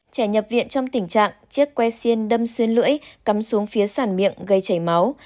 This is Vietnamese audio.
trẻ nhập viện trong tình trạng chiếc que xiên đâm xuyên lưỡi cắm xuống phía sản miệng gây chảy máu